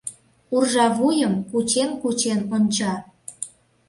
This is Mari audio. Уржа вуйым кучен-кучен онча.